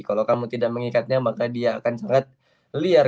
kalau kamu tidak mengikatnya maka dia akan sangat liar